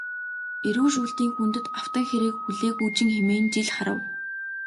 Эрүү шүүлтийн хүндэд автан хэрэг хүлээгүүжин хэмээн жил харав.